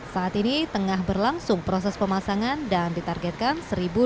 saat ini tengah berlangsung proses pemasangan dan ditargetkan satu dua ratus